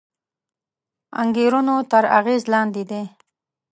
انګېرنو تر اغېز لاندې دی